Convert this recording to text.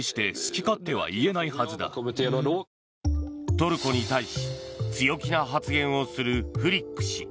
トルコに対し強気な発言をするフリック氏。